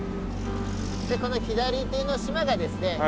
この左手の島がですね